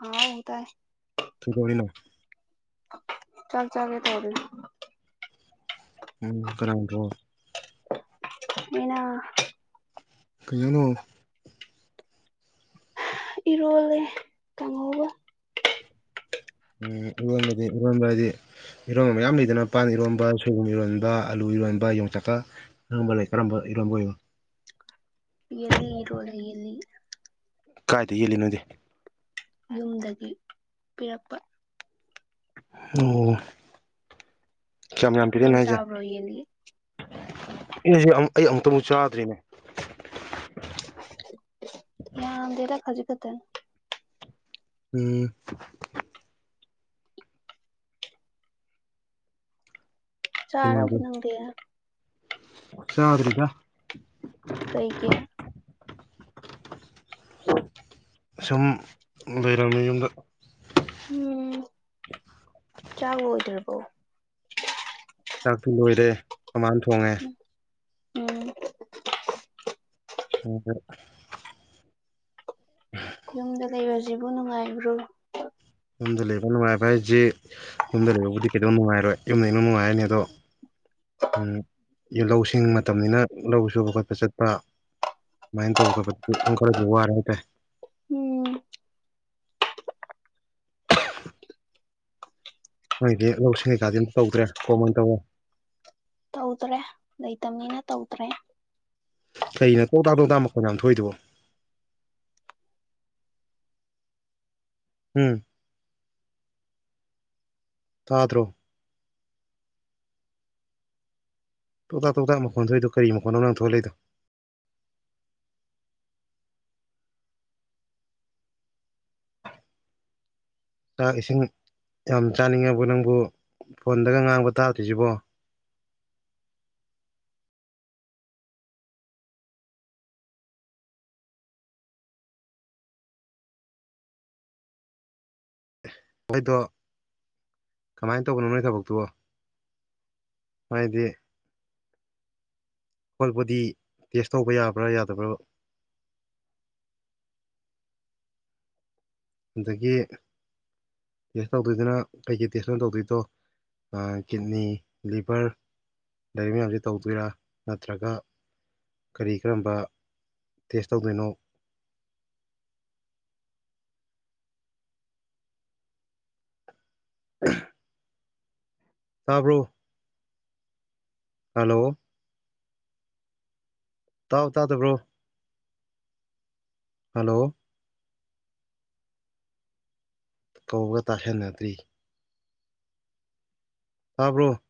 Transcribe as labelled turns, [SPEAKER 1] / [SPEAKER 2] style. [SPEAKER 1] ꯍꯥꯎ ꯇꯥꯏ꯫
[SPEAKER 2] ꯊꯨꯗꯣꯏꯅꯣ
[SPEAKER 1] ꯆꯥꯛ ꯆꯥꯒꯦ ꯇꯧꯔꯤ꯫
[SPEAKER 2] ꯎꯝ ꯀꯅꯥ ꯊꯣꯡ꯫
[SPEAKER 1] ꯑꯩꯅ꯫
[SPEAKER 2] ꯀꯩ ꯖꯥꯡꯅꯣ꯫
[SPEAKER 1] ꯏꯔꯣꯜꯂꯦ ꯀꯥꯡꯍꯧꯒ꯫
[SPEAKER 2] ꯎꯝ ꯏꯔꯣꯟꯕꯗꯤ ꯏꯔꯣꯟꯕ ꯍꯥꯏꯗꯤ ꯏꯔꯣꯟꯕ ꯃꯌꯥꯝ ꯂꯩꯗꯅ ꯄꯥꯟ ꯏꯔꯣꯝꯕ ꯁꯣꯏꯕꯨꯝ ꯏꯔꯣꯟꯕ ꯑꯂꯨ ꯏꯔꯣꯟꯕ ꯌꯣꯡꯆꯥꯛꯀ ꯏꯔꯣꯝꯕ ꯂꯩ ꯀꯔꯝꯕ ꯏꯔꯣꯝꯕ ꯑꯣꯏꯕ꯫
[SPEAKER 1] ꯌꯦꯜꯂꯤ ꯏꯔꯣꯜꯂꯦ ꯌꯦꯜꯂꯤ꯫
[SPEAKER 2] ꯀꯥꯏꯗꯩ ꯌꯦꯜꯂꯤ ꯅꯣꯏꯗꯤ꯫
[SPEAKER 1] ꯌꯨꯝꯗꯒꯤ ꯄꯤꯔꯛꯄ꯫
[SPEAKER 2] ꯑꯣ ꯀ꯭ꯌꯥꯝ ꯌꯥꯝ ꯄꯤꯔꯏꯅꯣ
[SPEAKER 1] ꯅꯪ
[SPEAKER 2] ꯍꯥꯏꯖꯦ꯫
[SPEAKER 1] ꯆꯥꯕ꯭ꯔꯣ ꯌꯦꯜꯂꯤ
[SPEAKER 2] ꯑꯦꯅ ꯖꯦ ꯑꯩ ꯑꯃꯨꯛꯇꯕꯨ ꯆꯥꯗ꯭ꯔꯤꯅꯦ꯫
[SPEAKER 1] ꯌꯥꯝꯗꯦꯗ ꯈꯖꯤꯛ ꯈꯇꯅꯤ꯫
[SPEAKER 2] ꯎꯝ
[SPEAKER 1] ꯆꯥꯔꯕꯣ
[SPEAKER 2] ꯀꯩꯅꯣꯗꯤ
[SPEAKER 1] ꯅꯪꯗꯤ꯫
[SPEAKER 2] ꯆꯥꯗ꯭ꯔꯤꯗ꯫
[SPEAKER 1] ꯀꯩꯒꯤ꯫
[SPEAKER 2] ꯁꯨꯝ ꯂꯩꯔꯝꯃꯤ ꯌꯨꯝꯗ꯫
[SPEAKER 1] ꯎꯝ ꯆꯥꯛ ꯂꯣꯏꯗ꯭ꯔꯕꯣ꯫
[SPEAKER 2] ꯆꯥꯛꯇꯤ ꯂꯣꯏꯔꯦ ꯃꯃꯥꯅ ꯊꯣꯡꯉꯦ꯫
[SPEAKER 1] ꯎꯝ ꯑꯣ
[SPEAKER 2] ꯍꯥꯎꯒꯦꯔ꯫ [unintelligible]
[SPEAKER 1] ꯌꯨꯝꯗ ꯂꯩꯕꯖꯤꯕꯨ ꯅꯨꯡꯉꯥꯏꯕ꯭ꯔꯣ?
[SPEAKER 2] ꯌꯨꯝꯗ ꯂꯩꯕ ꯅꯨꯡꯉꯥꯏꯕ ꯍꯥꯏꯖꯦ ꯌꯨꯝꯗ ꯂꯩꯕꯕꯨꯗꯤ ꯀꯩꯗꯧ ꯅꯨꯡꯉꯥꯏꯔꯣꯏ ꯌꯨꯝ ꯂꯩꯕ ꯅꯨꯡꯉꯥꯏꯔꯅꯤ ꯑꯗꯣ ꯎꯝ ꯏ ꯂꯧ ꯁꯤꯡ ꯃꯇꯝꯅꯤꯅ ꯂꯧ ꯁꯨꯕ ꯈꯣꯠꯄ ꯆꯠꯄ ꯃꯥꯏꯟ ꯇꯧꯕ ꯈꯣꯠꯄ ꯗꯤ ꯑꯗꯨꯝ ꯈꯔꯗꯤ ꯋꯥꯔꯦ ꯍꯥꯏ ꯇꯥꯏ
[SPEAKER 1] ꯎꯝ
[SPEAKER 2] ꯅꯣꯏꯗꯤ ꯂꯧ ꯁꯤꯡ ꯀꯩꯀꯥꯗꯤ ꯑꯝꯇ ꯇꯧꯗꯔꯦ ꯀꯣꯝ ꯑꯣꯏꯅ ꯇꯧꯋꯦ
[SPEAKER 1] ꯇꯧꯗꯔꯦ ꯂꯩꯇꯝꯅꯤꯅ ꯇꯧꯗꯔꯦ
[SPEAKER 2] ꯀꯩꯅꯣ ꯇꯣꯇꯥꯛ ꯇꯣꯇꯥꯛ ꯃꯈꯣꯟ ꯌꯥꯝ ꯊꯣꯛꯏꯗꯨꯕꯣ ꯎꯝ ꯇꯥꯗ꯭ꯔꯣ ꯇꯣꯛꯇꯥꯛ ꯇꯣꯛꯇꯥꯛ ꯃꯈꯣꯟ ꯊꯣꯛꯏꯗꯣ ꯀꯩ ꯃꯈꯣꯟꯅꯣ ꯅꯪ ꯊꯣꯛꯂꯛꯏꯗꯣ ꯆꯥꯛ ꯏꯁꯤꯡ ꯌꯥꯝ ꯆꯥꯅꯤꯡꯉꯕꯣ ꯅꯪꯕꯨ ꯐꯣꯟꯗꯒ ꯉꯥꯡꯕ ꯇꯥꯗ꯭ꯔꯤꯁꯡꯖꯤꯕꯣ ꯅꯣꯏꯗꯣ ꯀꯃꯥꯏ ꯇꯧꯕꯅꯣ ꯅꯣꯏ ꯊꯕꯛꯇꯨꯕꯣ ꯍꯥꯏꯗꯤ ꯍꯣꯜ ꯕꯣꯗꯤ ꯇꯦꯁ ꯇꯧꯕ ꯌꯥꯕ꯭ꯔꯥ ꯌꯥꯗꯕ꯭ꯔꯕ ꯑꯗꯒꯤ ꯇꯦꯁ ꯇꯧꯗꯣꯏꯗꯨꯅ ꯀꯩꯀꯩ ꯇꯦꯁꯅꯣ ꯇꯧꯗꯨꯏꯗꯣ ꯑ ꯀꯤꯠꯅꯤ ꯂꯤꯚꯔ ꯂꯩꯔꯤ ꯃꯌꯥꯝꯖꯦ ꯇꯧꯗꯣꯏꯔꯥ ꯅꯠꯇ꯭ꯔꯒ ꯀꯔꯤ ꯀꯔꯝꯕ ꯇꯦꯁ ꯇꯧꯗꯣꯏꯅꯣ [unintelligible] ꯇꯥꯕ꯭ꯔꯣ ꯍꯜꯂꯣ ꯇꯥꯎ ꯇꯥꯗꯕ꯭ꯔꯣ ꯍꯜꯂꯣ ꯀꯧꯕꯒ ꯇꯥꯁꯟꯅꯗ꯭ꯔꯤ ꯇꯥꯕ꯭ꯔꯣ